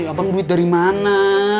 abang duit dari mana